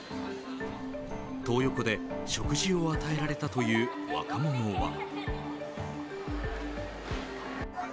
トー横で食事を与えられたという若者は。